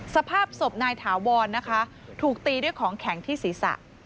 สภาพศพนายถาวรนะคะถูกตีด้วยของแข็งที่ศีรษะ